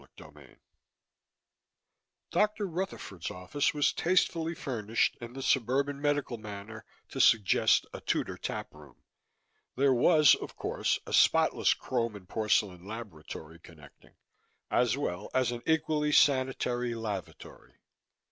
CHAPTER 23 Dr. Rutherford's office was tastefully furnished, in the suburban medical manner, to suggest a Tudor tap room. There was, of course, a spotless chrome and porcelain laboratory connecting, as well as an equally sanitary lavatory.